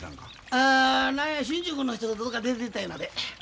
ああ何や進駐軍の人とどこか出てったようなで。